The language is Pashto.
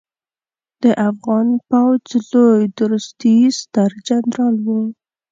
د افغان پوځ لوی درستیز سترجنرال و